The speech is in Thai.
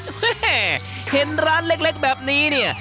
เห็นร้านเล็กแบบนี้เนี่ย